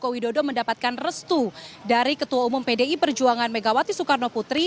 jokowi dodo mendapatkan restu dari ketua umum pdi perjuangan megawati soekarno putri